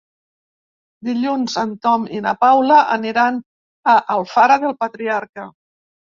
Dilluns en Tom i na Paula aniran a Alfara del Patriarca.